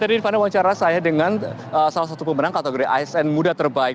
tadi rifana wawancara saya dengan salah satu pemenang kategori asn muda terbaik